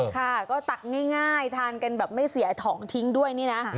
ค่ะก็ตักง่ายทานกันแบบไม่เสียของทิ้งด้วยนี่นะ